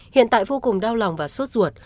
hiện tại vô cùng đau lòng và suốt ruột